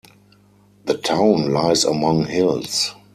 The town lies among hills.